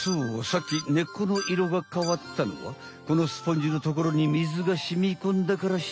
さっき根っこのいろがかわったのはこのスポンジのところに水がしみこんだからして。